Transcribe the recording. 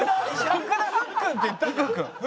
福田福くんって言ったじゃん。